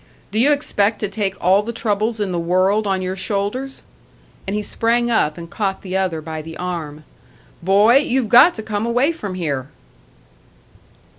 "Do you expect to take all the troubles in the world on your shoulders?" And he sprang up and caught the other by the arm. "Boy, you've got to come away from here!"